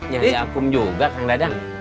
jadi akum juga kang dadang